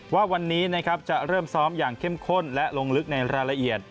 ว่าวันนี้นะครับจะเริ่มซ้อมอย่างเข้มข้นและลงลึกในรายละเอียด